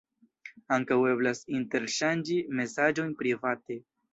Ankaŭ eblas interŝanĝi mesaĝojn private.